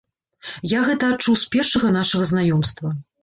Я гэта адчуў з першага нашага знаёмства.